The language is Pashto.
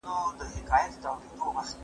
د جمعې ورځ د کورنۍ ده.